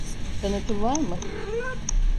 Kanıtın var mı?